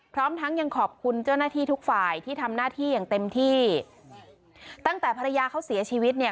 พร้อมทั้งยังขอบคุณเจ้าหน้าที่ทุกฝ่ายที่ทำหน้าที่อย่างเต็มที่ตั้งแต่ภรรยาเขาเสียชีวิตเนี่ย